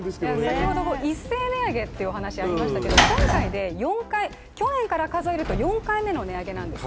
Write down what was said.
先ほど、一斉値上げの話がありましたけども去年から数えると４回目の値上げなんです。